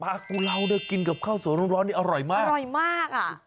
กุลาวเนี่ยกินกับข้าวสวยร้อนนี่อร่อยมากอร่อยมากอ่ะ